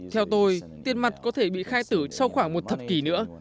theo tôi tiền mặt có thể bị khai tử sau khoảng một thập kỷ nữa